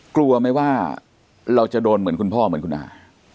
กลัวไหมว่าเราจะโดนเหมือนคุณพ่อเหมือนคุณอา